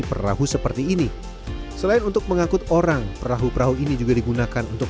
perahu seperti ini selain untuk mengangkut orang perahu perahu ini juga digunakan untuk